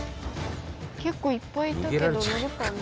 結構いっぱいいたけど乗るかな？